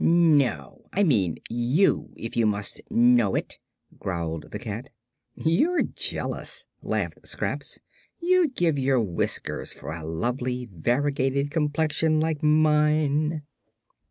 "No; I mean you, if you must know it," growled the cat. "You're jealous!" laughed Scraps. "You'd give your whiskers for a lovely variegated complexion like mine."